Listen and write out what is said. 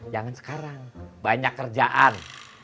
jangan sekarang banyak kerjaan